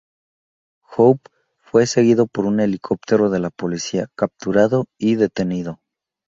Hoppe fue seguido por un helicóptero de la policía, capturado y detenido.